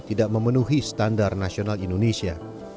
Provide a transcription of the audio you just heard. tidak memenuhi standar nasional indonesia